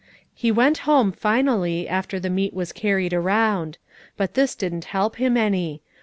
He went home finally, after the meat was carried around; but this didn't help him any.